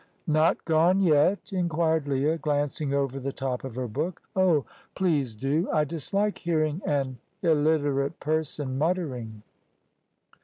"Not gone yet?" inquired Leah, glancing over the top of her book. "Oh, please do! I dislike hearing an illiterate person muttering."